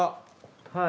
はい。